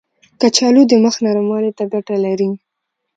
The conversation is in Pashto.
کچالو د مخ نرموالي ته ګټه لري.